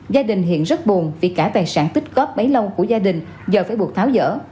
gia đình hiện rất buồn vì cả tài sản tích góp bấy lâu của gia đình giờ phải buộc tháo dở